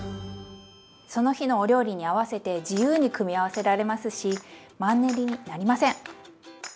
その日のお料理に合わせて自由に組み合わせられますしマンネリになりません！